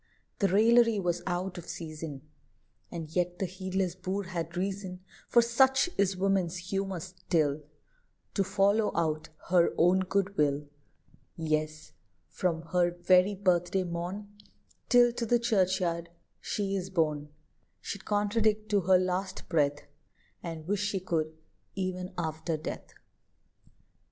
The raillery was out of season; And yet the heedless boor had reason, For such is woman's humour still, To follow out her own good will; Yes, from her very birthday morn Till to the churchyard she is borne, She'd contradict to her last breath, And wish she could e'en after death.